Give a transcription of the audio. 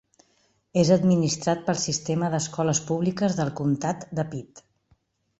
És administrat pel sistema d'escoles públiques del comtat de Pitt.